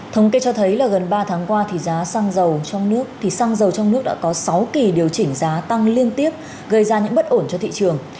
thống kê cho thấy là gần ba tháng qua thì giá xăng dầu trong nước thì xăng dầu trong nước đã có sáu kỳ điều chỉnh giá tăng liên tiếp gây ra những bất ổn cho thị trường